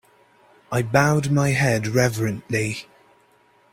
I bowed my head reverently.